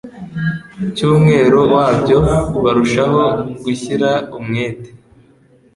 cy’umwero wabyo, barushaho gushyira umwete